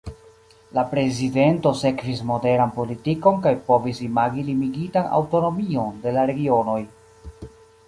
La prezidento sekvis moderan politikon kaj povis imagi limigitan aŭtonomion de la regionoj.